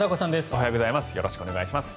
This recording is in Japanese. おはようございます。